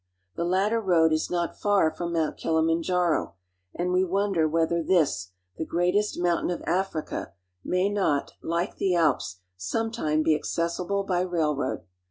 The latter road is not far from I Mount Kilimanjaro; and we wonder whether this, the J peatest mountain of Africa, may not, like the Alps, som& I me be accessible by railroad.